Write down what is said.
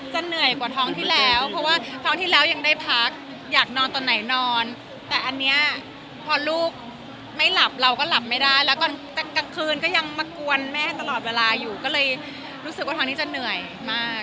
เหนื่อยกว่าท้องที่แล้วเพราะว่าท้องที่แล้วยังได้พักอยากนอนตอนไหนนอนแต่อันนี้พอลูกไม่หลับเราก็หลับไม่ได้แล้วตอนกลางคืนก็ยังมากวนแม่ตลอดเวลาอยู่ก็เลยรู้สึกว่าท้องนี้จะเหนื่อยมาก